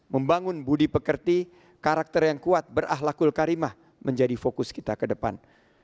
membangun budi pekerti karakter yang kuat berahlakul karimah menjadi fokus kita ke depan